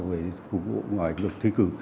về phục vụ ngoài thi cử